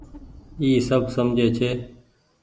اي سب سجهي ڇي۔